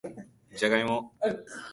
じゃがいも